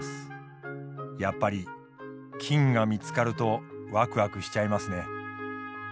やっぱり金が見つかるとワクワクしちゃいますね。